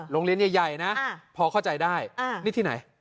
โรงเรียนใหญ่นะพอเข้าใจได้นี่ที่ไหน